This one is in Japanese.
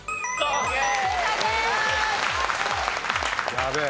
やべえ。